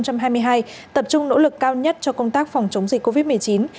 tập trung nỗ lực cao nhất cho công tác phòng chống dịch covid một mươi chín